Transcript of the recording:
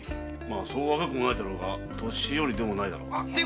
そう若くはないが年寄りでもないだろうな。